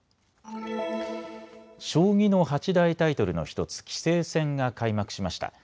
将棋の八大タイトルの１つ棋聖戦が開幕しました。